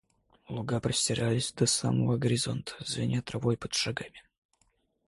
Луга простирались до самого горизонта, звеня травой под шагами.